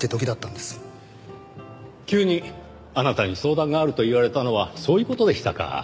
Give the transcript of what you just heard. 急にあなたに相談があると言われたのはそういう事でしたか。